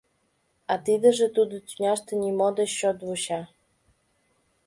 А тидыжым тудо тӱняште нимо деч чот вуча.